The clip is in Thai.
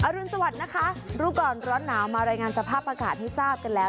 รุนสวัสดิ์นะคะรู้ก่อนร้อนหนาวมารายงานสภาพอากาศให้ทราบกันแล้ว